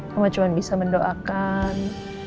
mama cuma bisa mendoakan